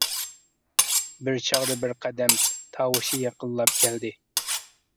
بىر چاغدا بىر قەدەم تاۋۇشى يېقىنلاپ كەلدى.